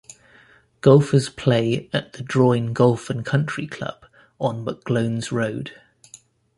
Golfers play at the Drouin Golf and Country Club on Mcglones Road.